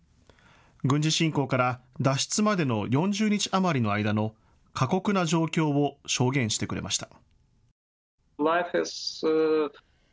軍事侵攻から脱出までの４０日余りの間の過酷な状況を証言してくれました。